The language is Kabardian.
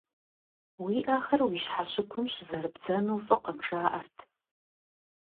Уи ӏэхэр уи щхьэщыгум щызэрыбдзэну фӏыкъым жаӏэрт.